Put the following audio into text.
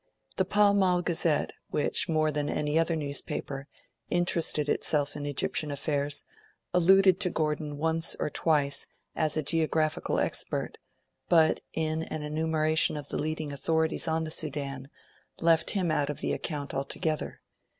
The "Pall Mall Gazette", which, more than any other newspaper, interested itself in Egyptian affairs, alluded to Gordon once or twice as a geographical expert; but, in an enumeration of the leading authorities on the Sudan, left him out of account altogether.